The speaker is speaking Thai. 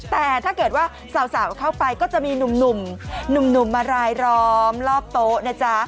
แต่ถ้าเกิดว่าสาวเข้าไปก็จะมีหนุ่มมารายล้อมรอบโต๊ะนะจ๊ะ